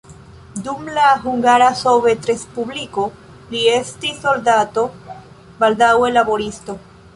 Dum la Hungara Sovetrespubliko li estis soldato, baldaŭe laboristo.